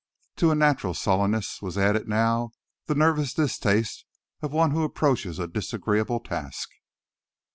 To a natural sullenness was added now the nervous distaste of one who approaches a disagreeable task.